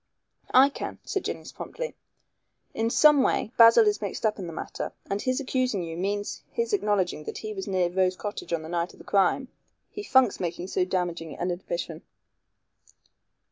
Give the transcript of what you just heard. "I can," said Jennings promptly, "in some way Basil is mixed up in the matter, and his accusing you means his acknowledging that he was near Rose Cottage on the night of the crime. He funks making so damaging an admission."